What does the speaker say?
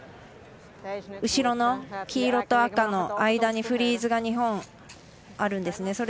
後ろの黄色と赤の間にフリーズが日本あるんですね。